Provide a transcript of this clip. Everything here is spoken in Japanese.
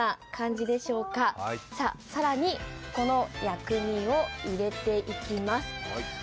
さあ、更にこの薬味を入れていきます。